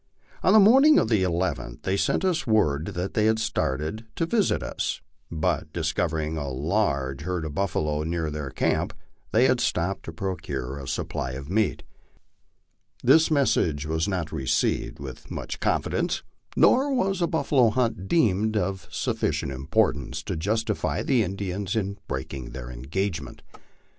On the morning of the llth they sent us word that they had started to visit us, but discovering a large herd of buffalo near their camp, they had stopped to procure a supply of meat. This message \vas not received with much confidence, nor 24 MY LIFE ON THE PLAINS. was a buffalo hunt deemed of sufficient importance to justify the Indians in breaking their engagement.